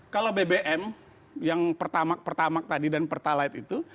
kalau bbm yang pertamak pertamak tadi dan pertalite itu